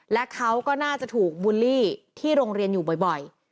และเขาก็น่าจะถูกบูลลี่ที่โรงเรียนอยู่บ่อย